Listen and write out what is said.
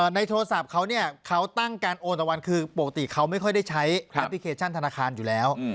ในโทรศัพท์เขาเนี่ยเขาตั้งการโอนต่อวันคือปกติเขาไม่ค่อยได้ใช้แอปพลิเคชันธนาคารอยู่แล้ว